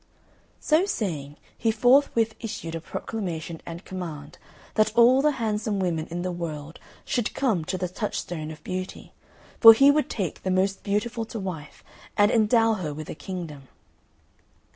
So saying he forthwith issued a proclamation and command that all the handsome women in the world should come to the touch stone of beauty, for he would take the most beautiful to wife and endow her with a kingdom.